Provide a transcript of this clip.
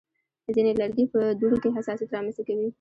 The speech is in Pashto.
ځینې لرګي په دوړو کې حساسیت رامنځته کوي.